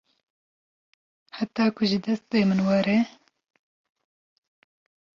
heta ku ji destê min were